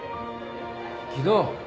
木戸。